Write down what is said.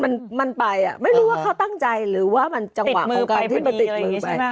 มันมันไปอ่ะไม่รู้ว่าเขาตั้งใจหรือว่ามันจังหวะมือกันที่มันติดมือไป